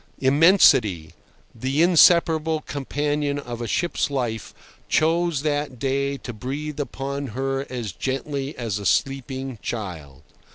Immensity, the inseparable companion of a ship's life, chose that day to breathe upon her as gently as a sleeping child.